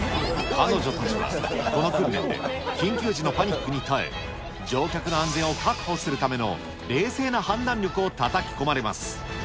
彼女たちはこの訓練で緊急時のパニックに耐え、乗客の安全を確保するための冷静な判断力をたたき込まれます。